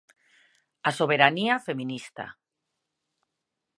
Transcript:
A soberanía feminista.